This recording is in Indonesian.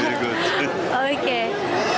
ya bagus bagus